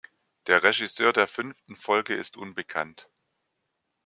Der Regisseur der fünften Folge ist unbekannt.